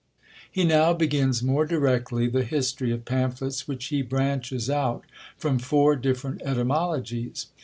'" He now begins more directly the history of pamphlets, which he branches out from four different etymologies.